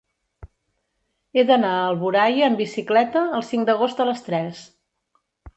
He d'anar a Alboraia amb bicicleta el cinc d'agost a les tres.